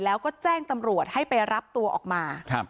แล้วก็แจ้งตำรวจให้ไปรับตัวออกมา